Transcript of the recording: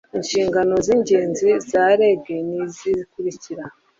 inshingano z ingenzi za reg n izi zikurikira